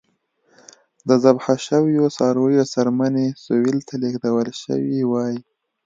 د ذبح شویو څارویو څرمنې سویل ته لېږدول شوې وای.